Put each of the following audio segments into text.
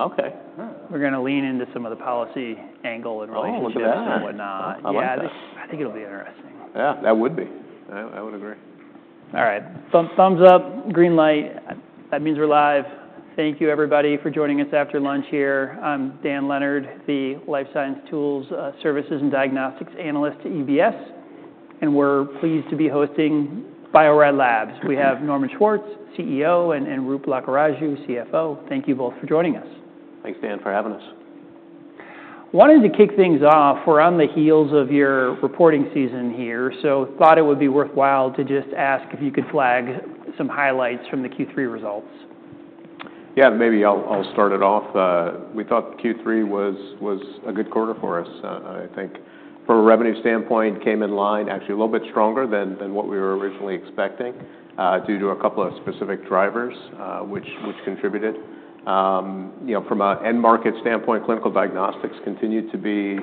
Okay All right. We're going to lean into some of the policy angle and relationships and whatnot. Oh, look at that. Yeah, I think it'll be interesting. Yeah, that would be. I would agree. All right. Thumbs up, green light. That means we're live. Thank you, everybody, for joining us after lunch here. I'm Dan Leonard, the Life Science Tools Services and Diagnostics Analyst at UBS, and we're pleased to be hosting Bio-Rad Labs. We have Norman Schwartz, CEO, and Roop Lakkaraju, CFO. Thank you both for joining us. Thanks, Dan, for having us. Wanted to kick things off. We're on the heels of your reporting season here, so thought it would be worthwhile to just ask if you could flag some highlights from the Q3 results. Yeah, maybe I'll start it off. We thought Q3 was a good quarter for us, I think. From a revenue standpoint, it came in line, actually a little bit stronger than what we were originally expecting due to a couple of specific drivers which contributed. From an end market standpoint, Clinical Diagnostics continued to be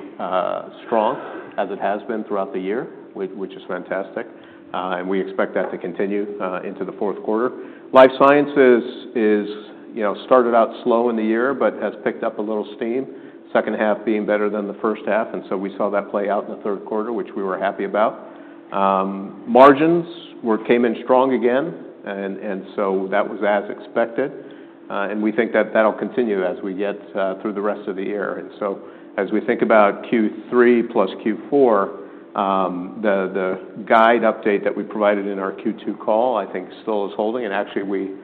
strong as it has been throughout the year, which is fantastic, and we expect that to continue into the fourth quarter. Life Sciences started out slow in the year but has picked up a little steam, second half being better than the first half, and so we saw that play out in the third quarter, which we were happy about. Margins came in strong again, and so that was as expected, and we think that that'll continue as we get through the rest of the year. And so as we think about Q3 plus Q4, the guide update that we provided in our Q2 call, I think, still is holding, and actually we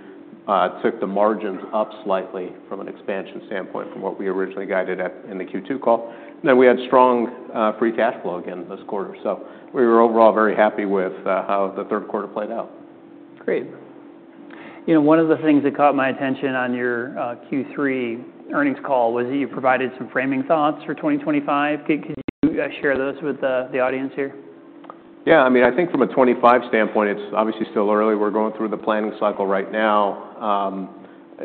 took the margins up slightly from an expansion standpoint from what we originally guided in the Q2 call. And then we had strong free cash flow again this quarter, so we were overall very happy with how the third quarter played out. Great. One of the things that caught my attention on your Q3 earnings call was that you provided some framing thoughts for 2025. Could you share those with the audience here? Yeah, I mean, I think from a 2025 standpoint, it's obviously still early. We're going through the planning cycle right now.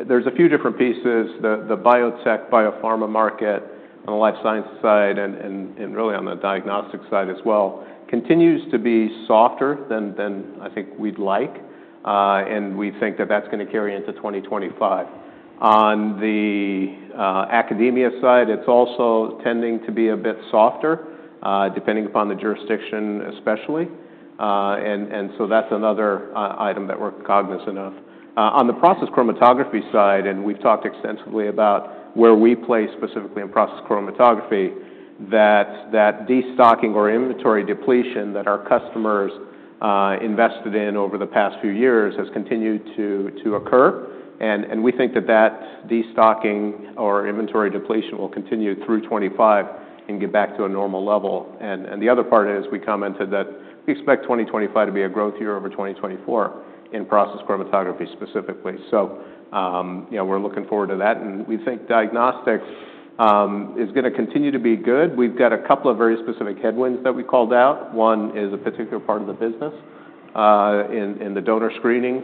There's a few different pieces. The biotech, biopharma market on the life science side and really on the diagnostic side as well continues to be softer than I think we'd like, and we think that that's going to carry into 2025. On the academia side, it's also tending to be a bit softer depending upon the jurisdiction especially, and so that's another item that we're cognizant of. On the process chromatography side, and we've talked extensively about where we place specifically in process chromatography, that destocking or inventory depletion that our customers invested in over the past few years has continued to occur, and we think that that destocking or inventory depletion will continue through 2025 and get back to a normal level. And the other part is we commented that we expect 2025 to be a growth year over 2024 in process chromatography specifically, so we're looking forward to that. And we think diagnostics is going to continue to be good. We've got a couple of very specific headwinds that we called out. One is a particular part of the business in the donor screening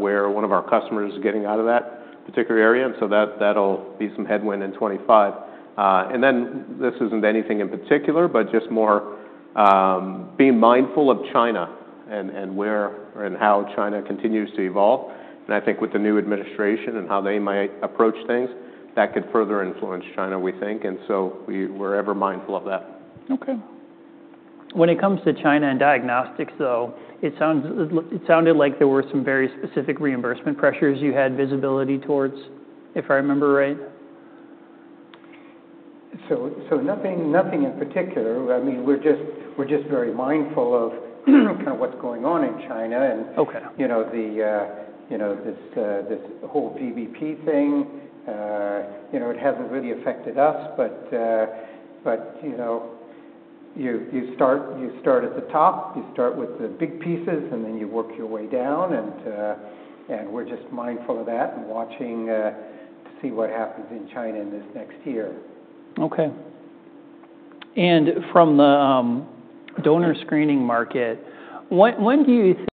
where one of our customers is getting out of that particular area, and so that'll be some headwind in 2025. And then this isn't anything in particular, but just more being mindful of China and where and how China continues to evolve. And I think with the new administration and how they might approach things, that could further influence China, we think, and so we're ever mindful of that. Okay. When it comes to China and diagnostics, though, it sounded like there were some very specific reimbursement pressures you had visibility towards, if I remember right? So nothing in particular. I mean, we're just very mindful of kind of what's going on in China and this whole VBP thing. It hasn't really affected us, but you start at the top. You start with the big pieces and then you work your way down, and we're just mindful of that and watching to see what happens in China in this next year. Okay. And from the donor screening market, when do you think?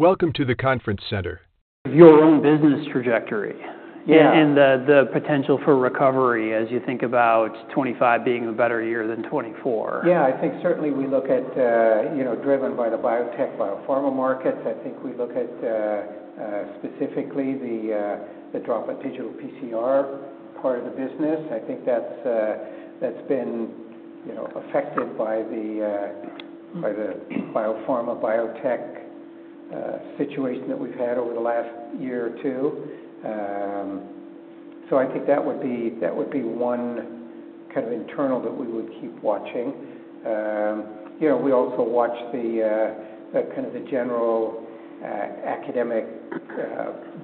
Welcome to the conference center. Your own business trajectory and the potential for recovery as you think about 2025 being a better year than 2024? Yeah, I think certainly we look at, driven by the biotech, biopharma markets, I think we look at specifically the Droplet Digital PCR part of the business. I think that's been affected by the biopharma biotech situation that we've had over the last year or two. So I think that would be one kind of internal that we would keep watching. We also watch kind of the general academic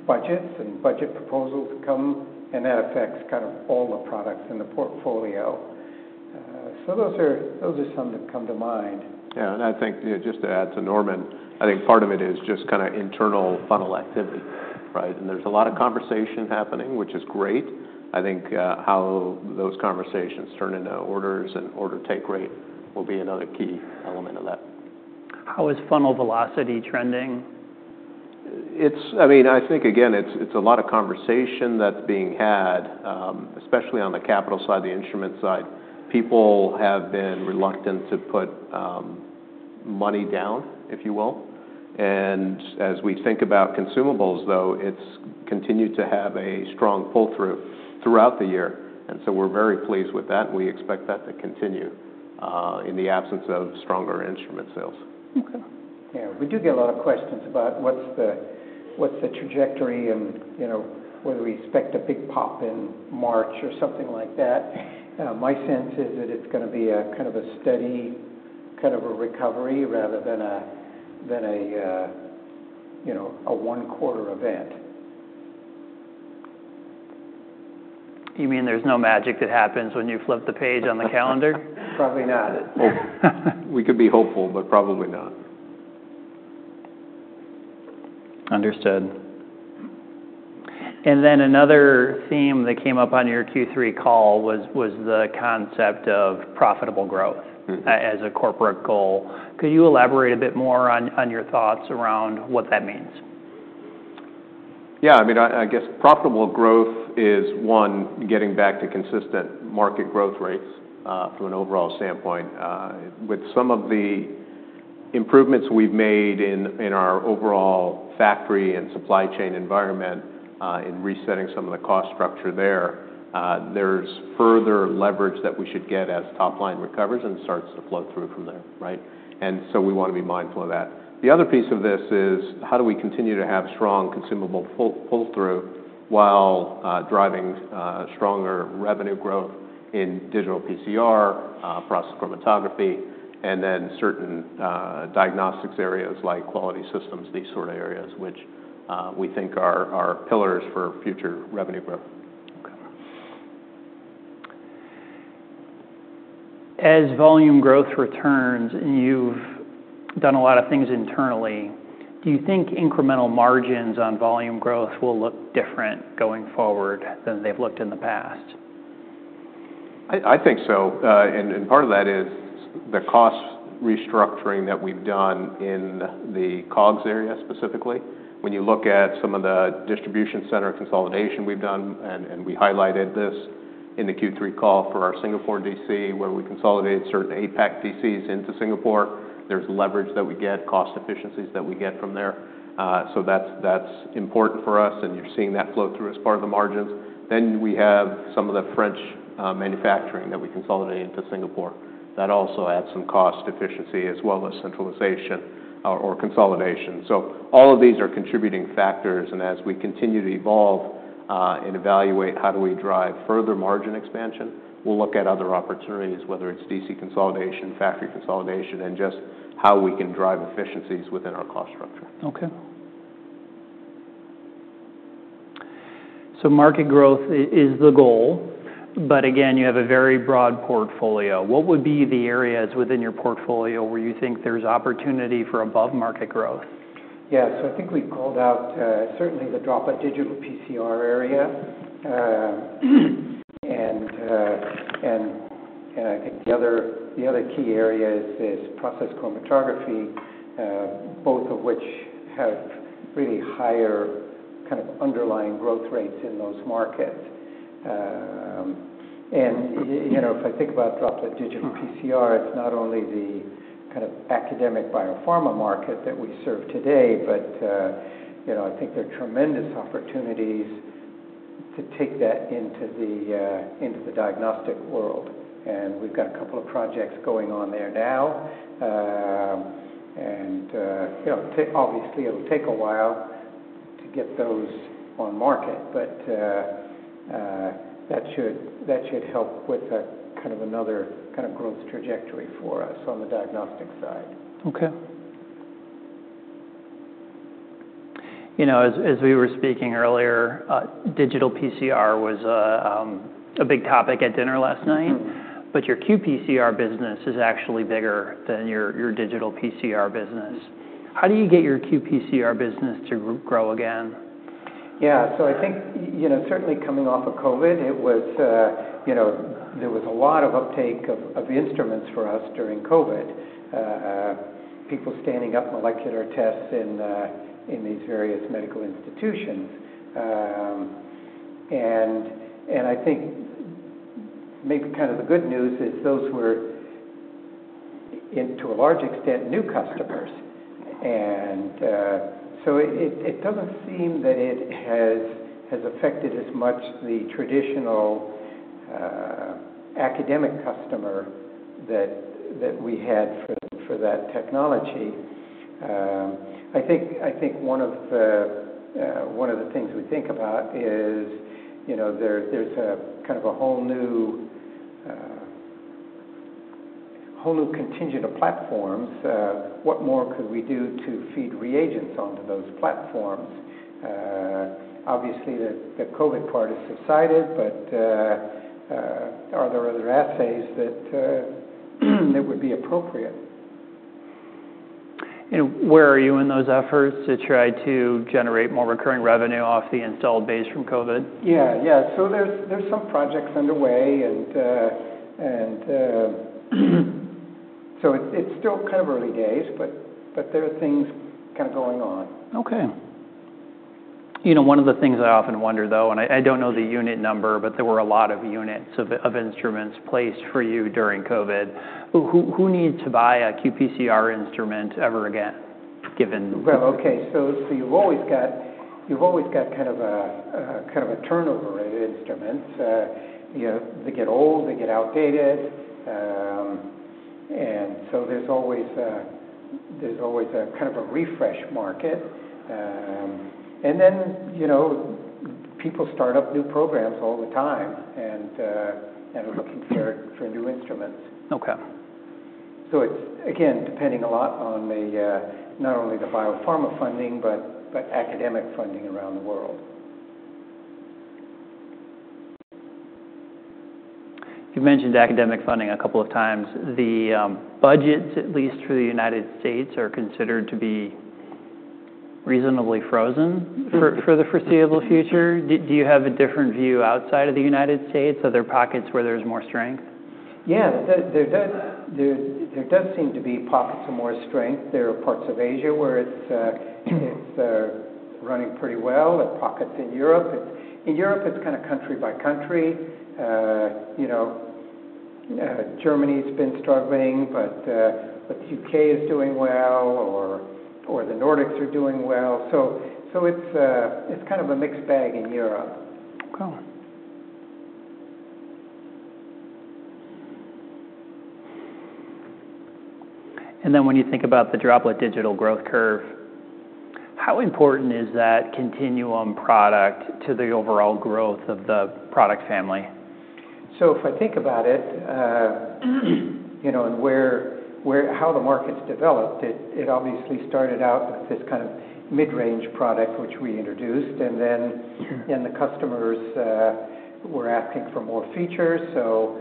budgets and budget proposals that come, and that affects kind of all the products in the portfolio. So those are some that come to mind. Yeah, and I think just to add to Norman, I think part of it is just kind of internal funnel activity, right? And there's a lot of conversation happening, which is great. I think how those conversations turn into orders and order take rate will be another key element of that. How is funnel velocity trending? I mean, I think, again, it's a lot of conversation that's being had, especially on the capital side, the instrument side. People have been reluctant to put money down, if you will. And as we think about consumables, though, it's continued to have a strong pull-through throughout the year, and so we're very pleased with that, and we expect that to continue in the absence of stronger instrument sales. Okay. Yeah, we do get a lot of questions about what's the trajectory and whether we expect a big pop in March or something like that. My sense is that it's going to be kind of a steady kind of a recovery rather than a one-quarter event. You mean there's no magic that happens when you flip the page on the calendar? Probably not. We could be hopeful, but probably not. Understood. And then another theme that came up on your Q3 call was the concept of profitable growth as a corporate goal. Could you elaborate a bit more on your thoughts around what that means? Yeah, I mean, I guess profitable growth is, one, getting back to consistent market growth rates from an overall standpoint. With some of the improvements we've made in our overall factory and supply chain environment in resetting some of the cost structure there, there's further leverage that we should get as top line recovers and starts to flow through from there, right, and so we want to be mindful of that. The other piece of this is how do we continue to have strong consumable pull-through while driving stronger revenue growth in digital PCR, process chromatography, and then certain diagnostics areas like quality systems, these sort of areas, which we think are pillars for future revenue growth. Okay. As volume growth returns, and you've done a lot of things internally, do you think incremental margins on volume growth will look different going forward than they've looked in the past? I think so, and part of that is the cost restructuring that we've done in the COGS area specifically. When you look at some of the distribution center consolidation we've done, and we highlighted this in the Q3 call for our Singapore DC where we consolidate certain APAC DCs into Singapore, there's leverage that we get, cost efficiencies that we get from there. So that's important for us, and you're seeing that flow through as part of the margins. Then we have some of the French manufacturing that we consolidate into Singapore. That also adds some cost efficiency as well as centralization or consolidation. So all of these are contributing factors, and as we continue to evolve and evaluate how do we drive further margin expansion, we'll look at other opportunities, whether it's DC consolidation, factory consolidation, and just how we can drive efficiencies within our cost structure. Okay. Market growth is the goal, but again, you have a very broad portfolio. What would be the areas within your portfolio where you think there's opportunity for above-market growth? Yeah, so I think we called out certainly the Droplet Digital PCR area, and I think the other key area is process chromatography, both of which have really higher kind of underlying growth rates in those markets. And if I think about Droplet Digital PCR, it's not only the kind of academic biopharma market that we serve today, but I think there are tremendous opportunities to take that into the diagnostic world. And we've got a couple of projects going on there now, and obviously it'll take a while to get those on market, but that should help with kind of another kind of growth trajectory for us on the diagnostic side. Okay. As we were speaking earlier, digital PCR was a big topic at dinner last night, but your qPCR business is actually bigger than your digital PCR business. How do you get your qPCR business to grow again? Yeah, so I think certainly coming off of COVID, there was a lot of uptake of instruments for us during COVID, people standing up molecular tests in these various medical institutions. And I think maybe kind of the good news is those were, to a large extent, new customers. And so it doesn't seem that it has affected as much the traditional academic customer that we had for that technology. I think one of the things we think about is there's kind of a whole new contingent of platforms. What more could we do to feed reagents onto those platforms? Obviously, the COVID part has subsided, but are there other assays that would be appropriate? Where are you in those efforts to try to generate more recurring revenue off the installed base from COVID? Yeah, yeah. So there's some projects underway, and so it's still kind of early days, but there are things kind of going on. Okay. One of the things I often wonder, though, and I don't know the unit number, but there were a lot of units of instruments placed for you during COVID. Who needs to buy a qPCR instrument ever again, given? Okay, so you've always got kind of a turnover of instruments. They get old, they get outdated, and so there's always a kind of a refresh market, and then people start up new programs all the time and are looking for new instruments. Okay. So it's, again, depending a lot on not only the biopharma funding but academic funding around the world. You've mentioned academic funding a couple of times. The budgets, at least for the United States, are considered to be reasonably frozen for the foreseeable future. Do you have a different view outside of the United States, other pockets where there's more strength? Yeah, there does seem to be pockets of more strength. There are parts of Asia where it's running pretty well, and pockets in Europe. In Europe, it's kind of country by country. Germany's been struggling, but the U.K. is doing well, or the Nordics are doing well. So it's kind of a mixed bag in Europe. Okay. And then when you think about the drop of digital growth curve, how important is that continuum product to the overall growth of the product family? So if I think about it and how the market's developed, it obviously started out with this kind of mid-range product which we introduced, and then the customers were asking for more features. So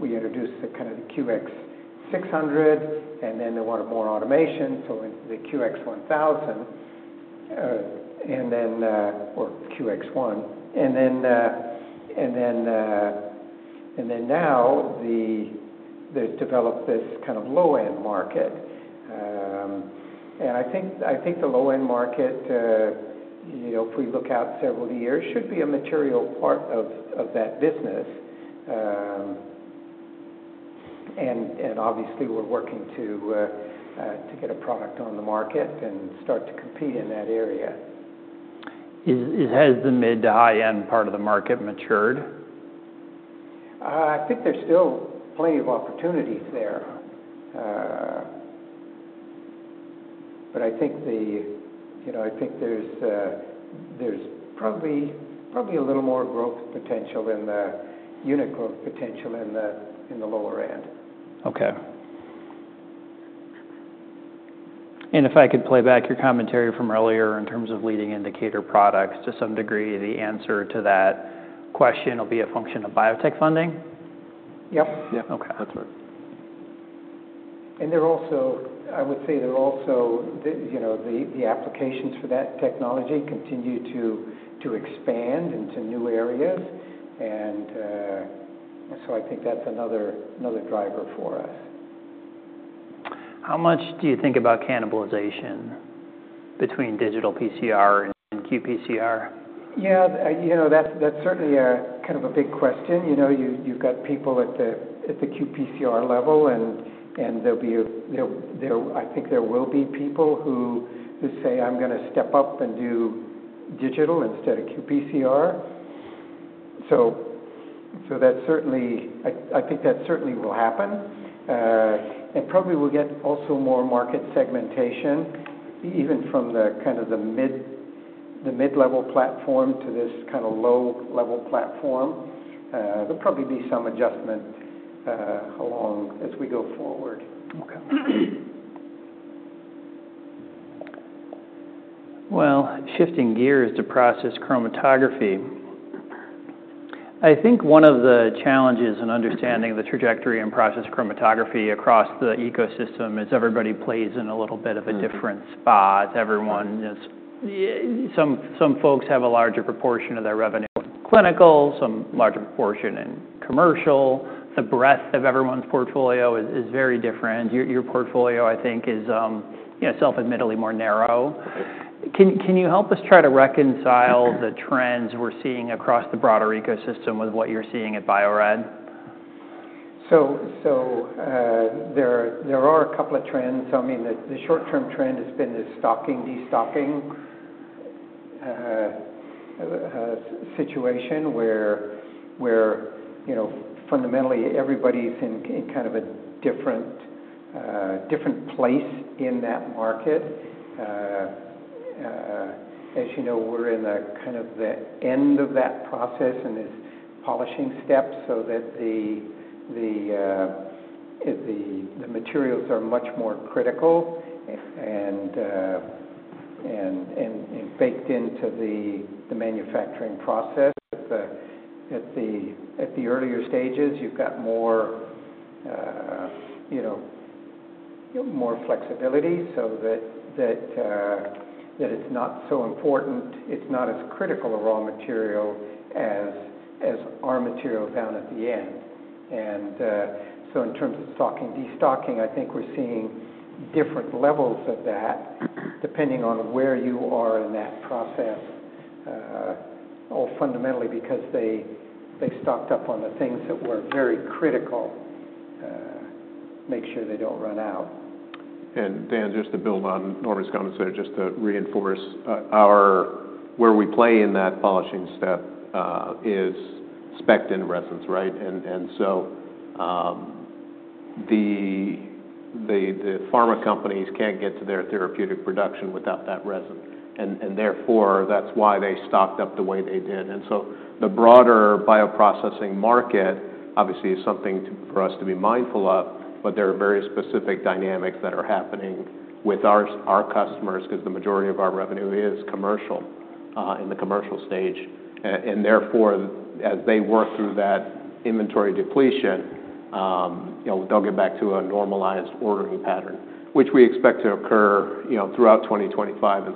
we introduced kind of the QX600, and then they wanted more automation, so the QX1000, or QX ONE. And then now they've developed this kind of low-end market. And I think the low-end market, if we look out several years, should be a material part of that business. And obviously, we're working to get a product on the market and start to compete in that area. Has the mid to high-end part of the market matured? I think there's still plenty of opportunities there, but I think there's probably a little more growth potential than the unit growth potential in the lower end. Okay. And if I could play back your commentary from earlier in terms of leading indicator products, to some degree, the answer to that question will be a function of biotech funding? Yep, yep. That’s right. And I would say the applications for that technology continue to expand into new areas, and so I think that's another driver for us. How much do you think about cannibalization between Digital PCR and qPCR? Yeah, that's certainly kind of a big question. You've got people at the qPCR level, and I think there will be people who say, "I'm going to step up and do digital instead of qPCR." So I think that certainly will happen, and probably we'll get also more market segmentation, even from kind of the mid-level platform to this kind of low-level platform. There'll probably be some adjustment along as we go forward. Okay. Well, shifting gears to process chromatography, I think one of the challenges in understanding the trajectory and process chromatography across the ecosystem is everybody plays in a little bit of a different spot. Some folks have a larger proportion of their revenue in clinical, some larger proportion in commercial. The breadth of everyone's portfolio is very different. Your portfolio, I think, is self-admittedly more narrow. Can you help us try to reconcile the trends we're seeing across the broader ecosystem with what you're seeing at Bio-Rad? So there are a couple of trends. I mean, the short-term trend has been this stocking-de-stocking situation where fundamentally everybody's in kind of a different place in that market. As you know, we're in kind of the end of that process and this polishing step so that the materials are much more critical and baked into the manufacturing process. At the earlier stages, you've got more flexibility so that it's not so important. It's not as critical a raw material as our material down at the end. And so in terms of stocking-de-stocking, I think we're seeing different levels of that depending on where you are in that process, all fundamentally because they stocked up on the things that were very critical to make sure they don't run out. Dan, just to build on Norman's comments, just to reinforce where we play in that polishing step is, [step in] resins, right? The pharma companies can't get to their therapeutic production without that resin, and therefore that's why they stocked up the way they did. The broader bioprocessing market, obviously, is something for us to be mindful of, but there are very specific dynamics that are happening with our customers because the majority of our revenue is commercial in the commercial stage. Therefore, as they work through that inventory depletion, they'll get back to a normalized ordering pattern, which we expect to occur throughout 2025.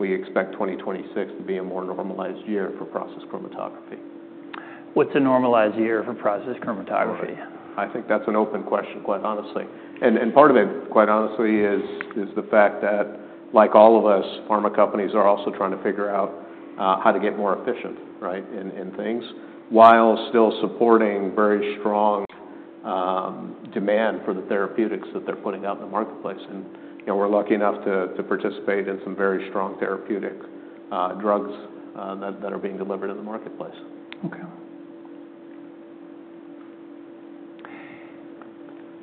We expect 2026 to be a more normalized year for process chromatography. What's a normalized year for process chromatography? I think that's an open question, quite honestly. And part of it, quite honestly, is the fact that, like all of us, pharma companies are also trying to figure out how to get more efficient, right, in things while still supporting very strong demand for the therapeutics that they're putting out in the marketplace. And we're lucky enough to participate in some very strong therapeutic drugs that are being delivered in the marketplace. Okay.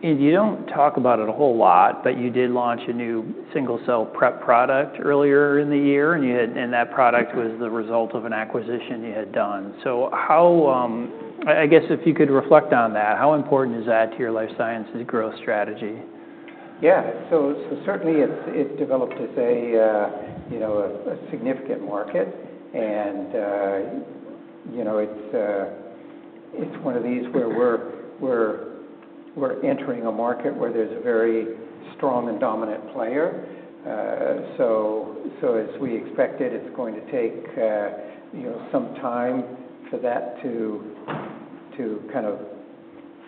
And you don't talk about it a whole lot, but you did launch a new single-cell prep product earlier in the year, and that product was the result of an acquisition you had done. So I guess if you could reflect on that, how important is that to your life sciences growth strategy? Yeah, so certainly it's developed as a significant market, and it's one of these where we're entering a market where there's a very strong and dominant player. So as we expected, it's going to take some time for that to kind of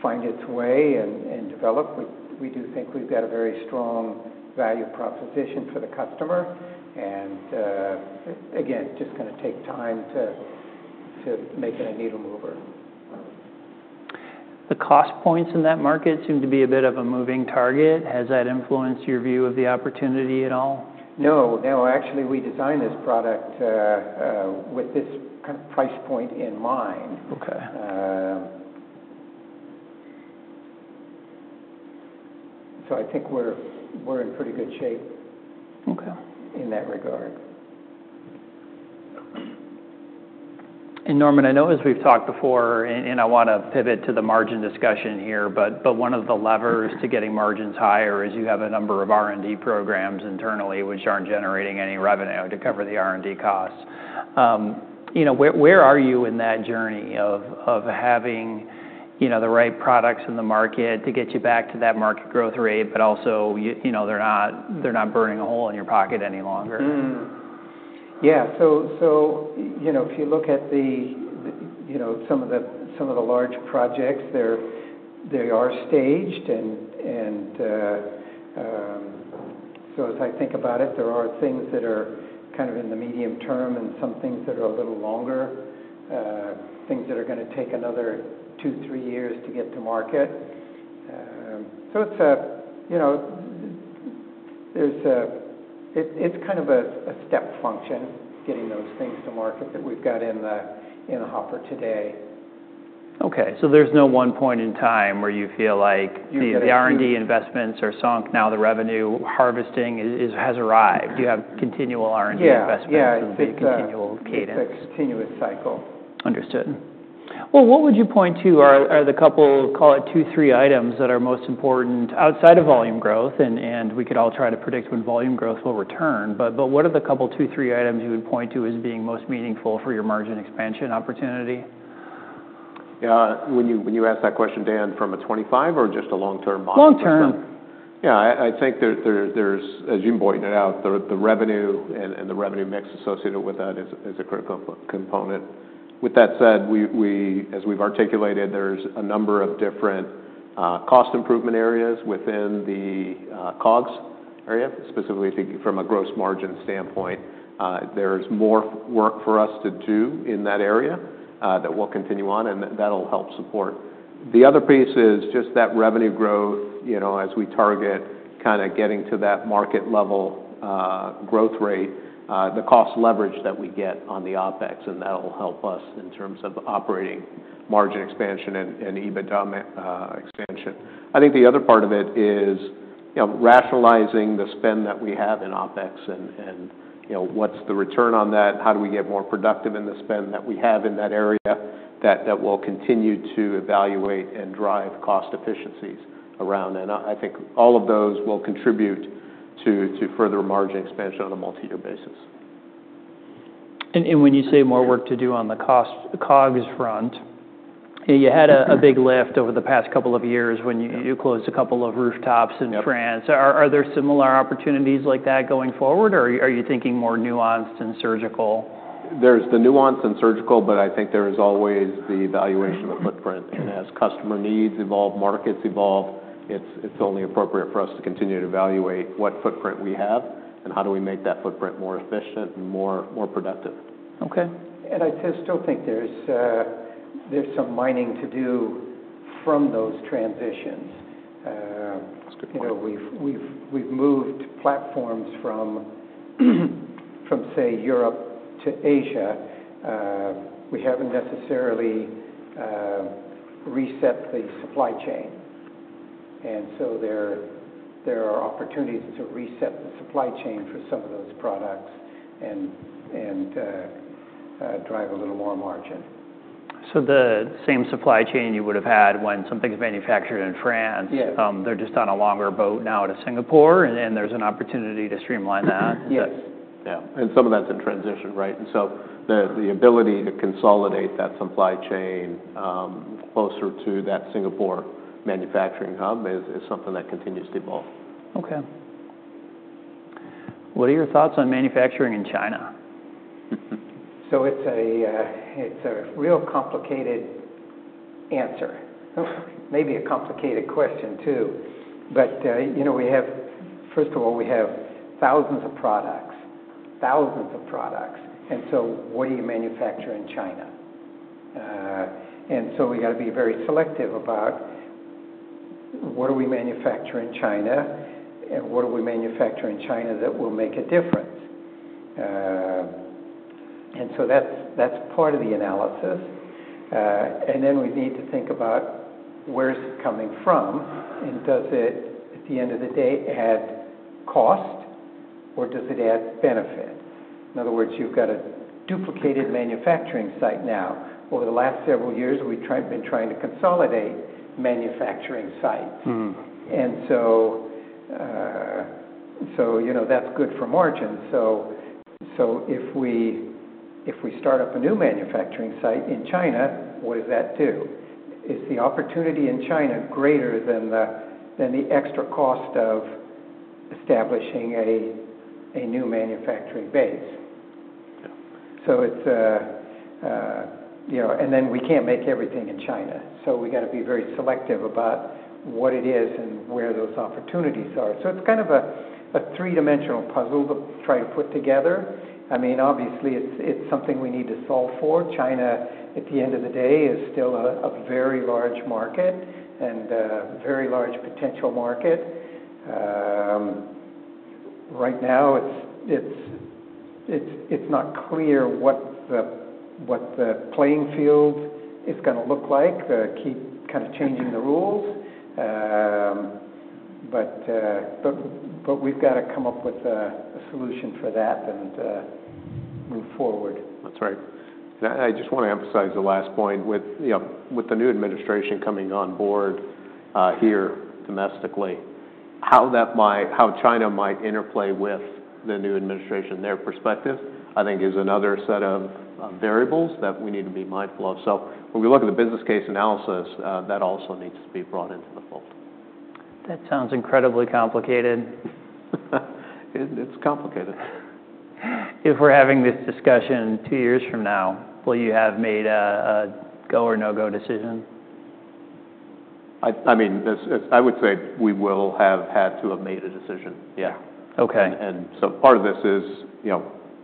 find its way and develop. We do think we've got a very strong value proposition for the customer, and again, just going to take time to make it a needle mover. The cost points in that market seem to be a bit of a moving target. Has that influenced your view of the opportunity at all? No, no. Actually, we designed this product with this kind of price point in mind. So I think we're in pretty good shape in that regard. Norman, I know as we've talked before, and I want to pivot to the margin discussion here, but one of the levers to getting margins higher is you have a number of R&D programs internally which aren't generating any revenue to cover the R&D costs. Where are you in that journey of having the right products in the market to get you back to that market growth rate, but also they're not burning a hole in your pocket any longer? Yeah, so if you look at some of the large projects, they are staged. And so as I think about it, there are things that are kind of in the medium term and some things that are a little longer, things that are going to take another two, three years to get to market. So it's kind of a step function, getting those things to market that we've got in the hopper today. Okay, so there's no one point in time where you feel like the R&D investments are sunk, now the revenue harvesting has arrived? You have continual R&D investments and continual cadence. Yeah, it's a continuous cycle. Understood. Well, what would you point to are the couple, call it two, three items that are most important outside of volume growth? And we could all try to predict when volume growth will return, but what are the couple, two, three items you would point to as being most meaningful for your margin expansion opportunity? Yeah, when you ask that question, Dan, from a 25 or just a long-term model? Long-term. Yeah, I think there's, as you've been pointing it out, the revenue and the revenue mix associated with that is a critical component. With that said, as we've articulated, there's a number of different cost improvement areas within the COGS area, specifically thinking from a gross margin standpoint. There's more work for us to do in that area that we'll continue on, and that'll help support. The other piece is just that revenue growth, as we target kind of getting to that market-level growth rate, the cost leverage that we get on the OpEx, and that'll help us in terms of operating margin expansion and EBITDA expansion. I think the other part of it is rationalizing the spend that we have in OpEx and what's the return on that, how do we get more productive in the spend that we have in that area, that will continue to evaluate and drive cost efficiencies around, and I think all of those will contribute to further margin expansion on a multi-year basis. When you say more work to do on the COGS front, you had a big lift over the past couple of years when you closed a couple of rooftops in France. Are there similar opportunities like that going forward, or are you thinking more nuanced and surgical? There's the nuance and surgical, but I think there is always the evaluation of the footprint and as customer needs evolve, markets evolve. It's only appropriate for us to continue to evaluate what footprint we have and how do we make that footprint more efficient and more productive. Okay. And I still think there's some mining to do from those transitions. We've moved platforms from, say, Europe to Asia. We haven't necessarily reset the supply chain, and so there are opportunities to reset the supply chain for some of those products and drive a little more margin. So the same supply chain you would have had when something's manufactured in France, they're just on a longer boat now to Singapore, and there's an opportunity to streamline that? Yes. Yeah, and some of that's in transition, right? And so the ability to consolidate that supply chain closer to that Singapore manufacturing hub is something that continues to evolve. Okay. What are your thoughts on manufacturing in China? So it's a real complicated answer. Maybe a complicated question too, but first of all, we have thousands of products, thousands of products, and so what do you manufacture in China? And so we've got to be very selective about what do we manufacture in China and what do we manufacture in China that will make a difference? And so that's part of the analysis. And then we need to think about where is it coming from, and does it, at the end of the day, add cost or does it add benefit? In other words, you've got a duplicated manufacturing site now. Over the last several years, we've been trying to consolidate manufacturing sites, and so that's good for margins. So if we start up a new manufacturing site in China, what does that do? Is the opportunity in China greater than the extra cost of establishing a new manufacturing base? And then we can't make everything in China, so we've got to be very selective about what it is and where those opportunities are. So it's kind of a three-dimensional puzzle to try to put together. I mean, obviously, it's something we need to solve for. China, at the end of the day, is still a very large market and a very large potential market. Right now, it's not clear what the playing field is going to look like. They keep kind of changing the rules, but we've got to come up with a solution for that and move forward. That's right. And I just want to emphasize the last point. With the new administration coming on board here domestically, how China might interplay with the new administration, their perspective, I think, is another set of variables that we need to be mindful of. So when we look at the business case analysis, that also needs to be brought into the fold. That sounds incredibly complicated. It's complicated. If we're having this discussion two years from now, will you have made a go or no-go decision? I mean, I would say we will have had to have made a decision, yeah. And so part of this is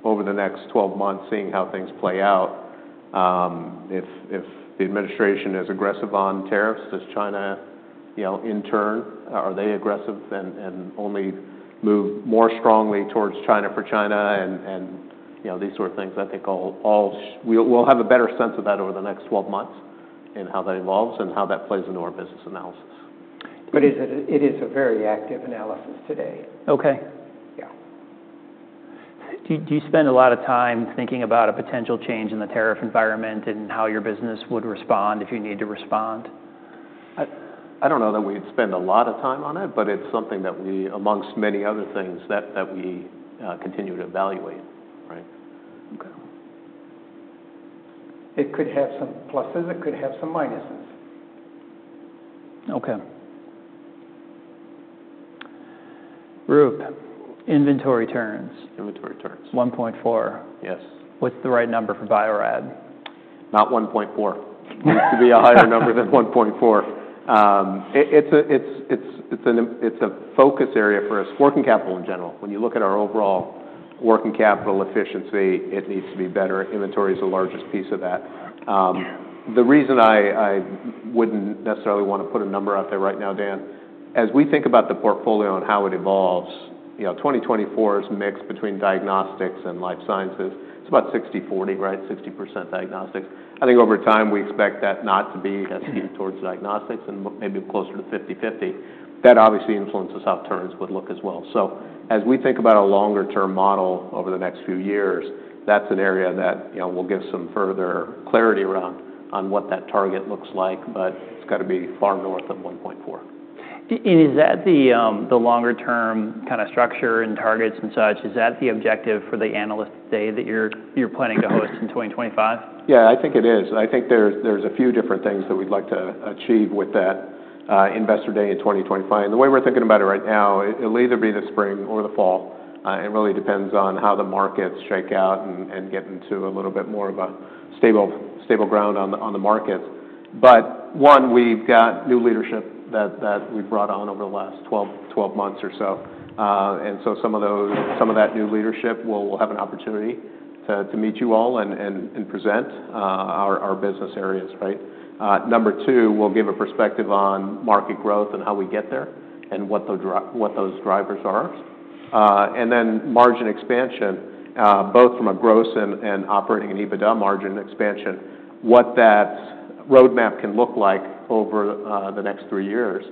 over the next 12 months, seeing how things play out. If the administration is aggressive on tariffs, does China in turn, are they aggressive and only move more strongly towards China for China and these sort of things? I think we'll have a better sense of that over the next 12 months and how that evolves and how that plays into our business analysis. But it is a very active analysis today. Okay. Do you spend a lot of time thinking about a potential change in the tariff environment and how your business would respond if you need to respond? I don't know that we'd spend a lot of time on it, but it's something that we, amongst many other things, that we continue to evaluate, right? It could have some pluses. It could have some minuses. Okay. Roop, inventory turns. Inventory turns. 1.4. Yes. What's the right number for Bio-Rad? Not 1.4. It needs to be a higher number than 1.4. It's a focus area for us, working capital in general. When you look at our overall working capital efficiency, it needs to be better. Inventory is the largest piece of that. The reason I wouldn't necessarily want to put a number out there right now, Dan, as we think about the portfolio and how it evolves, 2024's mix between diagnostics and life sciences, it's about 60/40, right? 60% diagnostics. I think over time, we expect that not to be as skewed towards diagnostics and maybe closer to 50/50. That obviously influences how turns would look as well. So as we think about a longer-term model over the next few years, that's an area that we'll get some further clarity around on what that target looks like, but it's got to be far north of 1.4. And is that the longer-term kind of structure and targets and such, is that the objective for the analyst day that you're planning to host in 2025? Yeah, I think it is. I think there's a few different things that we'd like to achieve with that Investor Day in 2025. The way we're thinking about it right now, it'll either be the spring or the fall, and it really depends on how the markets shake out and get into a little bit more of a stable ground on the markets. One, we've got new leadership that we've brought on over the last 12 months or so. So some of that new leadership, we'll have an opportunity to meet you all and present our business areas, right? Number two, we'll give a perspective on market growth and how we get there and what those drivers are. Then margin expansion, both from a gross and operating and EBITDA margin expansion, what that roadmap can look like over the next three years.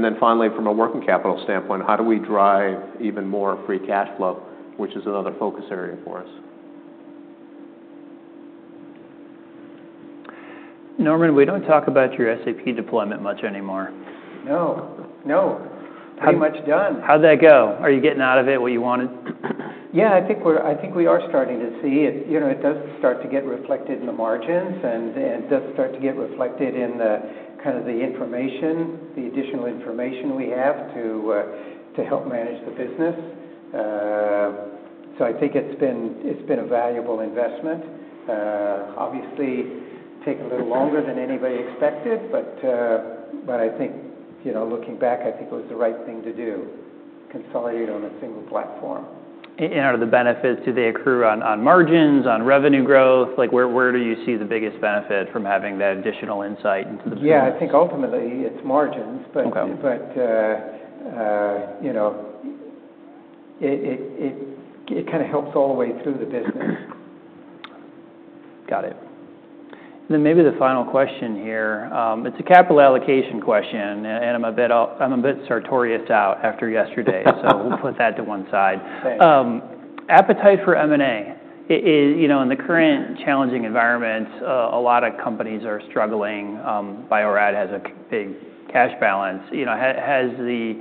Then finally, from a working capital standpoint, how do we drive even more free cash flow, which is another focus area for us? Norman, we don't talk about your SAP deployment much anymore. No. No. Pretty much done. How'd that go? Are you getting out of it what you wanted? Yeah, I think we are starting to see it. It does start to get reflected in the margins and does start to get reflected in kind of the information, the additional information we have to help manage the business. So I think it's been a valuable investment. Obviously, it took a little longer than anybody expected, but I think looking back, I think it was the right thing to do, consolidate on a single platform. And are the benefits, do they accrue on margins, on revenue growth? Where do you see the biggest benefit from having that additional insight into the business? Yeah, I think ultimately it's margins, but it kind of helps all the way through the business. Got it. And then maybe the final question here. It's a capital allocation question, and I'm a bit Sartorius’ out after yesterday, so we'll put that to one side. Appetite for M&A. In the current challenging environment, a lot of companies are struggling. Bio-Rad has a big cash balance. Has the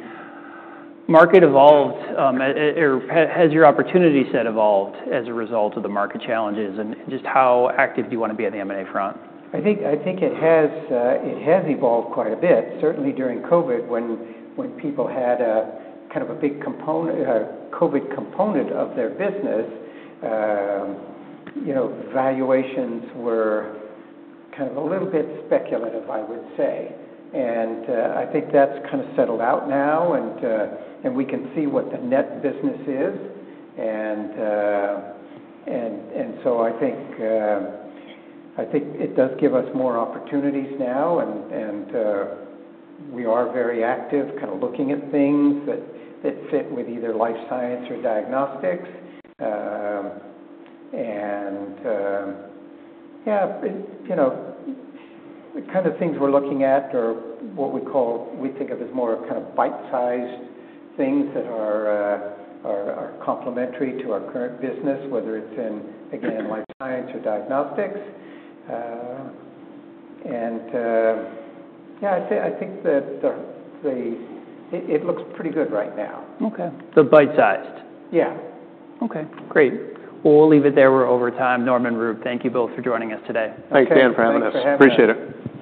market evolved, or has your opportunity set evolved as a result of the market challenges, and just how active do you want to be on the M&A front? I think it has evolved quite a bit, certainly during COVID when people had kind of a big COVID component of their business. Valuations were kind of a little bit speculative, I would say. And I think that's kind of settled out now, and we can see what the net business is. And so I think it does give us more opportunities now, and we are very active kind of looking at things that fit with either life science or diagnostics. And yeah, the kind of things we're looking at are what we think of as more kind of bite-sized things that are complementary to our current business, whether it's in, again, life science or diagnostics. And yeah, I think it looks pretty good right now. Okay, so bite-sized. Yeah. Okay. Great. Well, we'll leave it there. We're over time. Norman, Roop, thank you both for joining us today. Thanks, Dan, for having us. Appreciate it.